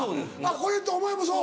これお前もそう？